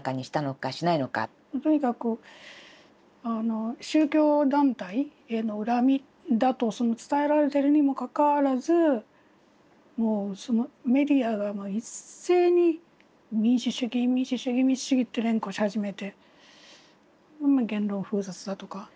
とにかく宗教団体への恨みだと伝えられてるにもかかわらずメディアが一斉に民主主義民主主義民主主義と連呼し始めて言論封殺だとか。